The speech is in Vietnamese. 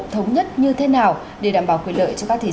thống nhất như thế nào để đảm bảo quyền lợi cho các thí sinh